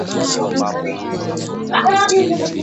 a sita nne sufuri moja tano